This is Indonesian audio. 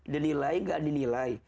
denilai nggak dinilai